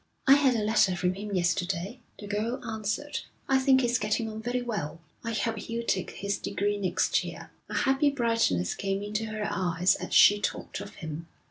'I had a letter from him yesterday,' the girl answered. 'I think he's getting on very well. I hope he'll take his degree next year.' A happy brightness came into her eyes as she talked of him.